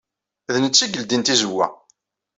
D netta ay ileddyen tizewwa.